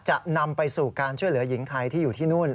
จะนำไปสู่การช่วยเหลือหญิงไทยที่อยู่ที่นู่น